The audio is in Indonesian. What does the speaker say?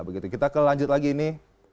begitu kita ke lanjut lagi ini